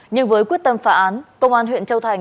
nhưng với quyết tâm phá án công an huyện châu thành